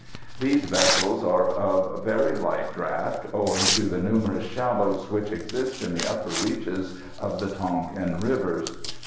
These vessels are of very light draught, owing to the numerous shallows which exist in the upper reaches of the Tonquin rivers.